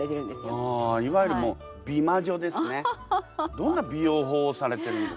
どんな美容法をされてるんですか？